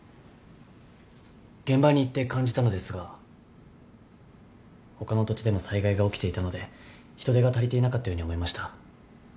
現場に行って感じたのですが他の土地でも災害が起きていたので人手が足りていなかったように思いました。